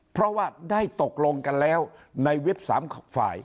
เพราะว่าได้ตกลงกันแล้วในวิบ๓ฝ่าย